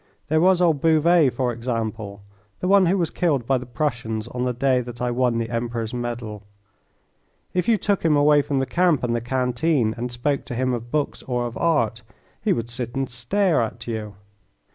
There was old Bouvet, for example the one who was killed by the Prussians on the day that I won the Emperor's medal; if you took him away from the camp and the canteen, and spoke to him of books or of art, he would sit and stare at you.